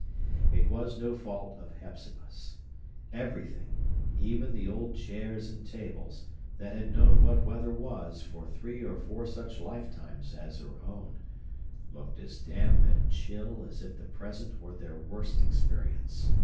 It was no fault of Hepzibah's. Everything—even the old chairs and tables, that had known what weather was for three or four such lifetimes as her own—looked as damp and chill as if the present were their worst experience.